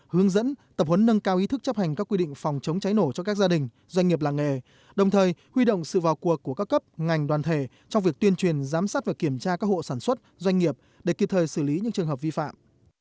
hướng dẫn tập huấn nâng cao ý thức chấp hành các quy định phòng chống cháy nổ cho các gia đình doanh nghiệp làng nghề đồng thời huy động sự vào cuộc của các cấp ngành đoàn thể trong việc tuyên truyền giám sát và kiểm tra các hộ sản xuất doanh nghiệp để kịp thời xử lý những trường hợp vi phạm